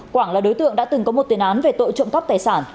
quảng là đối tượng đã từng có một tiền án về tội trộm cắp tài sản